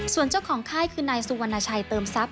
ส่วนเจ้าของค่ายคือนายสุวรรณชัยเติมทรัพย